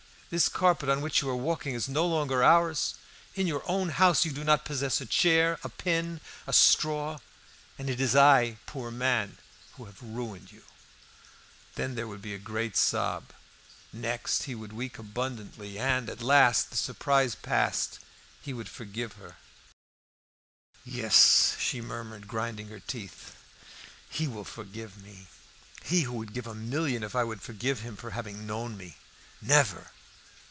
This carpet on which you are walking is no longer ours. In your own house you do not possess a chair, a pin, a straw, and it is I, poor man, who have ruined you." Then there would be a great sob; next he would weep abundantly, and at last, the surprise past, he would forgive her. "Yes," she murmured, grinding her teeth, "he will forgive me, he who would give a million if I would forgive him for having known me! Never!